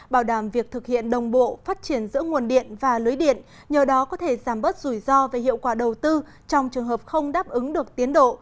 bảo đảm việc thực hiện đồng bộ phát triển giữa nguồn điện và lưới điện nhờ đó có thể giảm bớt rủi ro về hiệu quả đầu tư trong trường hợp không đáp ứng được tiến độ